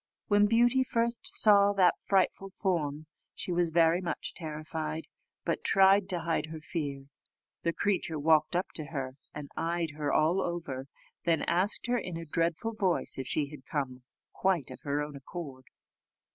When Beauty first saw that frightful form, she was very much terrified, but tried to hide her fear. The creature walked up to her, and eyed her all over then asked her in a dreadful voice if she had come quite of her own accord.